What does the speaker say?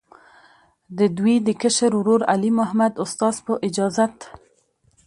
د دوي د کشر ورور، علي محمد استاذ، پۀ اجازت